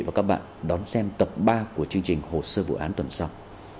và các bạn đón xem tập ba của chương trình hồ sơ vụ án tuần sau